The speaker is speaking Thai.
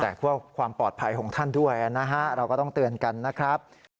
แต่เพื่อความปลอดภัยของท่านด้วยนะฮะเราก็ต้องเตือนกันนะครับ